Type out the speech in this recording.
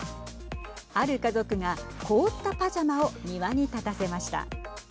ある家族が、凍ったパジャマを庭に立たせました。